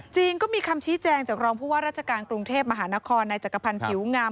จริงก็มีคำชี้แจงจากรองผู้ว่าราชการกรุงเทพมหานครในจักรพันธ์ผิวงาม